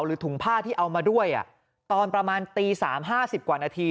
ถุงผ้าที่เอามาด้วยตอนประมาณตี๓๕๐กว่านาที